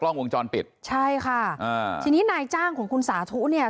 ลวงจรปิดใช่ค่ะอ่าทีนี้นายจ้างของคุณสาธุเนี่ย